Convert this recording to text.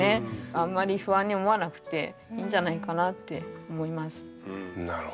あんまり不安に思わなくていいんじゃないかなって思います。